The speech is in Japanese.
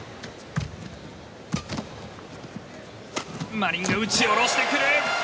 マリンが打ち下ろしてくる！